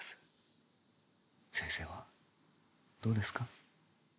先生はどうですか？